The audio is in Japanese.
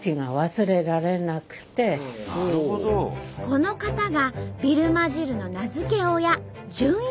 この方がビルマ汁の名付け親